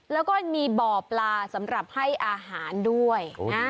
แล้วก็มีบ่อปลาสำหรับให้อาหารด้วย